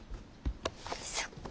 そっか。